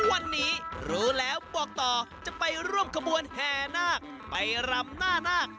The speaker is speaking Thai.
วันนี้รู้แล้วบอกต่อจะไปร่วมขบวนแห่นาคไปรำหน้านาค